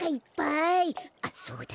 あっそうだ。